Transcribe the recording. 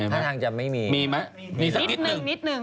เห็นไหมมีไหมมีสักนิดหนึ่งนิดหนึ่ง